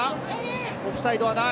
オフサイドはない。